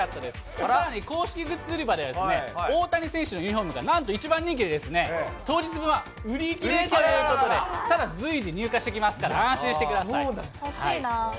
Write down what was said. さらに公式グッズ売り場では大谷選手のユニホームがなんと一番人気で、当日分は売り切れということで、ただ随時、入荷してきます欲しいな。